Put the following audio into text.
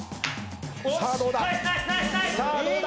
さあどうだ？